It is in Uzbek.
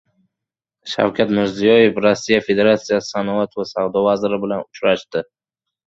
Shavkat Mirziyoev Rossiya Federatsiyasi sanoat va savdo vaziri bilan uchrashdi